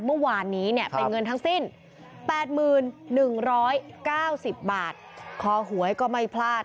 เมื่อวานนี้เป็นเงินทั้งสิ้นแปดหมื่นหนึ่งร้อยเก้าสิบบาทคอหวยก็ไม่พลาด